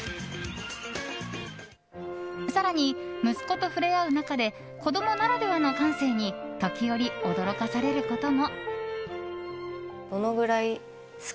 更に、息子と触れ合う中で子供ならではの感性に時折、驚かされることも。